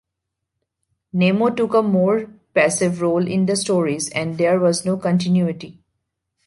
Nemo took a more passive role in the stories, and there was no continuity.